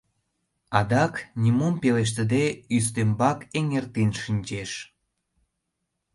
Адак, нимом пелештыде, ӱстембак эҥертен шинчеш.